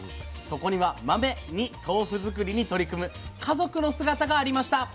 そこには「マメ」に豆腐作りに取り組む家族の姿がありました。